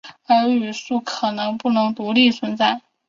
而语素可能不能独立存在。